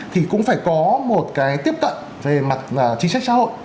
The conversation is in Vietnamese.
thì cũng phải có một cái tiếp cận về mặt chính sách xã hội